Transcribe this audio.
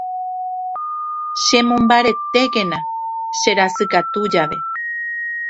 Chemombaretékena cherasykatu jave.